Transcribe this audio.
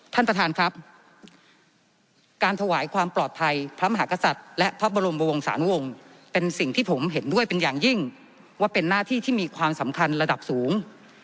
ท่านประธานครับการถวายความปลอดภัยพระมหากษัตริย์และพระบรมวงศาลวงศ์เป็นสิ่งที่ผมเห็นด้วยเป็นอย่างยิ่งว่าเป็นหน้าที่ที่มีความสำคัญระดับสูง